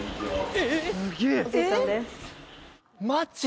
えっ！？